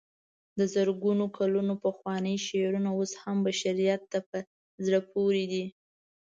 د زرګونو کلونو پخواني شعرونه اوس هم بشریت ته په زړه پورې دي.